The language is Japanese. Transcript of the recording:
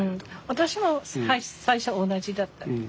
私も最初同じだった。